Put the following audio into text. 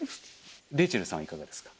レイチェルさんはいかがですか？